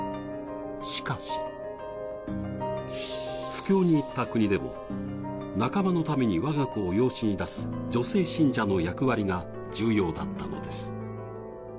しかし、布教に行った国でも仲間のために我が子を養子に出す女性信者の役割が重要だったのです。